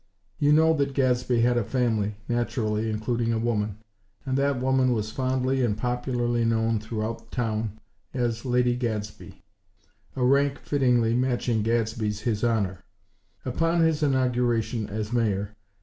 You know that Gadsby had a family, naturally including a woman; and that woman was fondly and popularly known throughout town as Lady Gadsby; a rank fittingly matching Gadsby's "His Honor," upon his inauguration as Mayor.